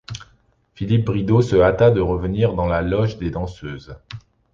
Philippe Bridau se hâta de revenir dans la loge des danseuses.